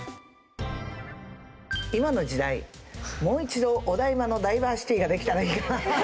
今の時代もう一度お台場のダイバーシティができたらいいかな。